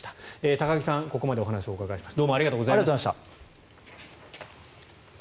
高木さん、ここまでお話をお伺いしました。